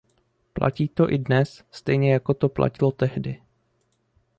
Platí to i dnes, stejně jako to platilo tehdy.